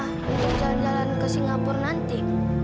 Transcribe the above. untuk jalan jalan ke singapura nanti